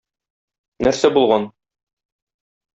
Нәрсә булган?